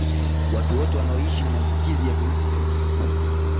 Watu wote wanaoishi na maambukizi ya virusi vya Ukimwi